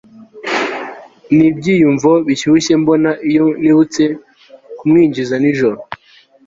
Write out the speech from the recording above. nibyiyumvo bishyushye mbona, iyo nibutse kumwinjiza nijoro